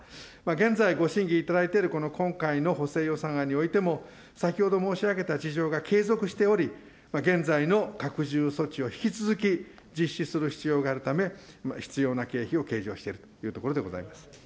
現在、ご審議いただいているこの今回の補正予算案においても、先ほど申し上げた事情が継続しており、現在の拡充措置を引き続き実施する必要があるため、必要な経費を計上しているというところでございます。